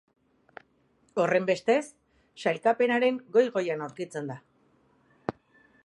Horrenbestez, sailkapenaren goi-goian aurkitzen da.